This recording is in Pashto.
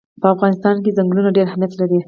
په افغانستان کې چنګلونه ډېر اهمیت لري.